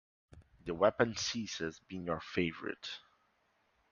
The weapon ceases being your favorite.